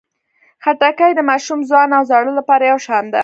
خټکی د ماشوم، ځوان او زاړه لپاره یو شان ده.